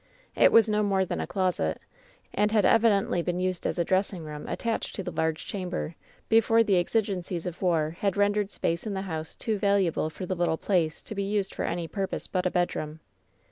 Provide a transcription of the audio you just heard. It was no more than a closet, and had evidently been used as a dressing room attached to the large chamber before the exigencies of war had rendered space in the house too valuable for the little place to be used for any purpose but a bedroom.